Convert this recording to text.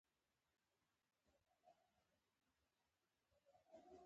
یو تن چې رانږدې شو.